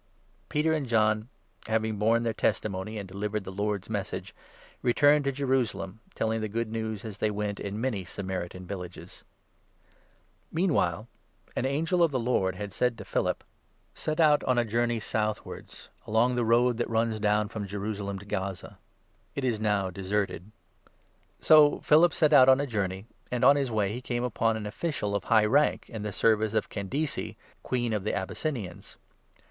Peter and John, having borne their testimony and delivered the Lord's Message, returned to Jerusalem, telling the Good News, as they went, in many Samaritan villages. Philip Meanwhile an angel of the Lord had said to and the Philip : At>y..inian. «« §et out on & journey southwards, along the 21 P». 78. 37. » Deut. 39. 18 ; I«a. 58. 6. THE ACTS, 8—9. 229 road that runs down from Jerusalem to Gaza." (It is now deserted). So Philip set out on a journey ; and on his way he came upon 27 an official of high rank, in the service of Candace, Queen of the Abyssinians.